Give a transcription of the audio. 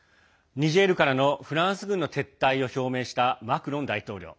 ニジェールからのフランス軍の撤退を表明したマクロン大統領。